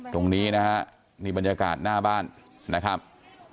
ตรงนี้นะฮะนี่บรรยากาศหน้าบ้านนะครับ